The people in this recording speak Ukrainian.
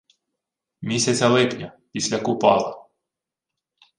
Місяця липня, після Купала